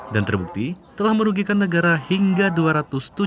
dan terbukti telah merugikan negara hingga dua ratus tujuh puluh juta orang